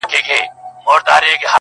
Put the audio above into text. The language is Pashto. فخر په پلار او په نیکونو کوي!!